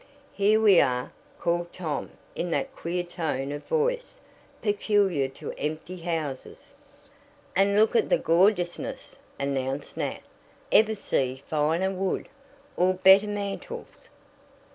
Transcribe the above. "Here we are!" called Tom in that queer tone of voice peculiar to empty houses. "And look at the gorgeousness," announced Nat. "Ever see finer wood, or better mantels?